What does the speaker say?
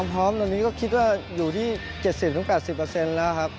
พร้อมตอนนี้ก็คิดว่าอยู่ที่๗๐๘๐แล้วครับ